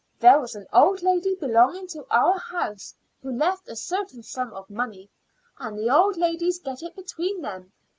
There was an old lady belonging to our house who left a certain sum of money, and the old ladies get it between them.